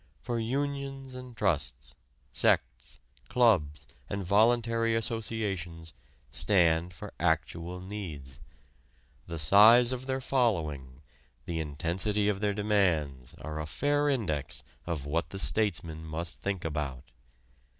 For unions and trusts, sects, clubs and voluntary associations stand for actual needs. The size of their following, the intensity of their demands are a fair index of what the statesman must think about.